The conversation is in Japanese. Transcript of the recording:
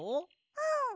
うん。